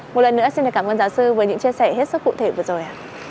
một lần nữa xin cảm ơn giáo sư với những chia sẻ hết sức cụ thể vừa rồi